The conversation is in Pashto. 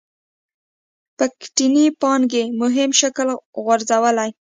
پيکيټي پانګې مهم شکل غورځولی.